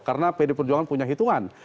karena pdi perjuangan punya hitungan